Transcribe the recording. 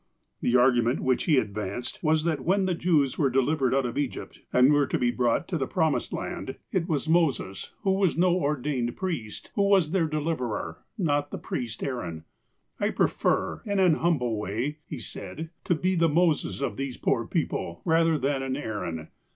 The argument which he advanced was that when the Jews were delivered out of Egypt, and were to be brought d NOTABLE VISITORS 241 to the promised land, it was Moses, who was uo ordained priest, who was their deliverer, not the priest Aaron. "I prefer, in an humble way," he said, "to be the Moses of these x^oor people, rather than an Aaron.